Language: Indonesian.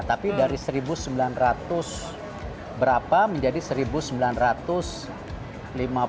tapi dari satu sembilan ratus berapa menjadi satu sembilan ratus juta